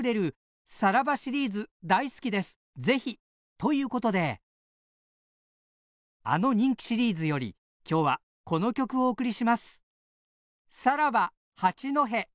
ということであの人気シリーズより今日はこの曲をお送りします。